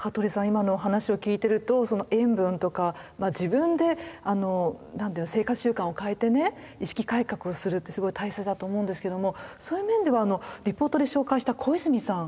今のお話を聞いてるとその塩分とか自分であの何ていうの生活習慣を変えてね意識改革をするってすごい大切だと思うんですけどもそういう面ではリポートで紹介した小泉さん